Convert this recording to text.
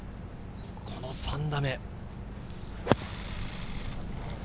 この３打目。